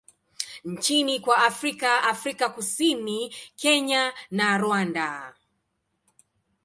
nchini kwa Afrika Afrika Kusini, Kenya na Rwanda.